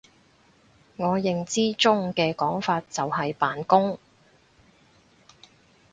我認知中嘅講法就係扮工！